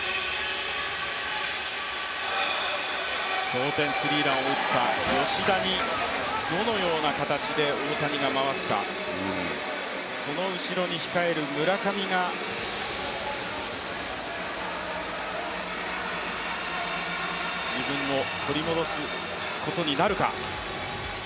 同点スリーランを打った吉田にどのような形で大谷が回すか、その後ろに控える村上が自分を取り戻すことになるか。